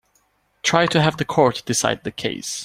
Try to have the court decide the case.